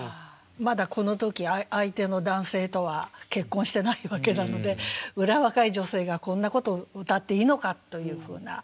まだこの時相手の男性とは結婚してないわけなのでうら若い女性がこんなことを歌っていいのかというふうな。